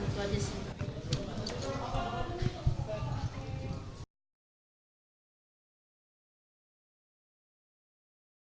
jadi itu sudah jelas aja yang kita sudah pujian nev len ferasin